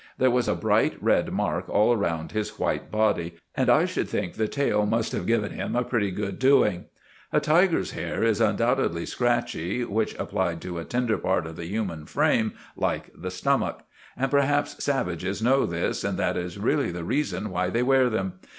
There was a bright red mark all round his white body, and I should think the tail must have given him a pretty good doing. A tiger's hair is undoubtedly scratchy when applied to a tender part of the human frame, like the stomach; and perhaps savages know this, and that is really the reason why they wear them.